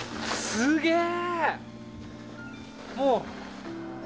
すげえ！